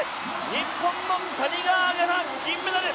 日本の谷川亜華葉、銀メダル。